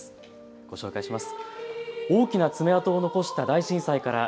ご紹介します。